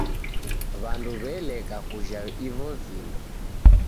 W'andu w'eleka kujha ivo vindo.